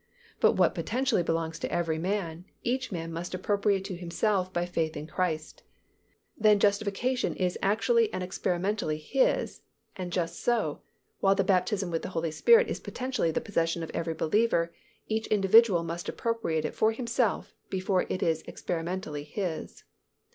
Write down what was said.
but what potentially belongs to every man, each man must appropriate to himself by faith in Christ; then justification is actually and experimentally his and just so, while the baptism with the Holy Spirit is potentially the possession of every believer, each individual believer must appropriate it for himself before it is experimentally his.